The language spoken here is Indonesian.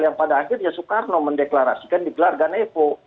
yang pada akhirnya soekarno mendeklarasikan di glargan evo